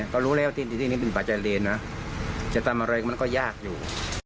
ก็รู้ที่นี่เป็นผาใจรินแต่ตามอะไรมันก็ยากอยู่